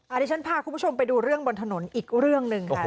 อันนี้ฉันพาคุณผู้ชมไปดูเรื่องบนถนนอีกเรื่องหนึ่งค่ะ